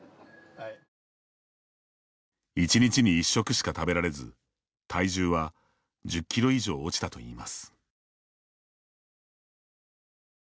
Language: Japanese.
１日に１食しか食べられず体重は１０キロ以上落ちたといいます。